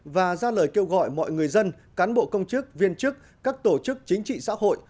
và ra lời kêu gọi mọi người dân cán bộ công chức viên chức các tổ chức chính trị xã hội